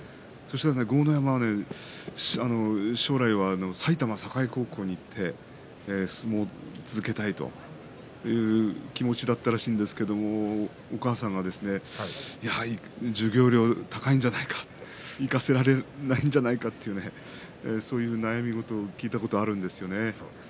豪ノ山は将来は埼玉栄高校に行って相撲を続けたいという気持ちだったらしいんですけれどお母さんがですねやはり授業料高いんじゃないか行かせられないんじゃないかという悩みを聞いたことがあります。